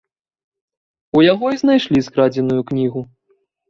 У яго і знайшлі скрадзеную кнігу.